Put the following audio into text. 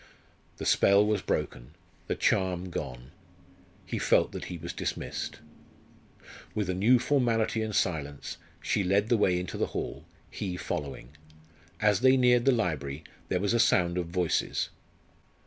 The spell was broken, the charm gone. He felt that he was dismissed. With a new formality and silence, she led the way into the hall, he following. As they neared the library there was a sound of voices.